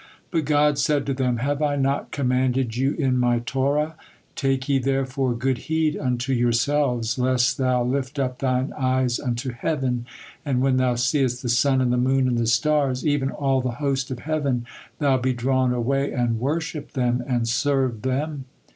But God said to them: "Have I not commanded you in My Torah: 'Take ye therefore good heed unto yourselves…lest thou lift up thine eyes unto heaven, and when thou seest the sun and the moon and the stars, even all the host of heaven, thou be drawn away and worship them, and serve them?'